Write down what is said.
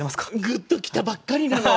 グッときたばっかりなの！